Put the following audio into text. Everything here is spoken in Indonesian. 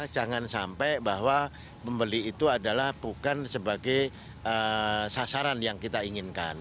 jangan sampai bahwa pembeli itu adalah bukan sebagai sasaran yang kita inginkan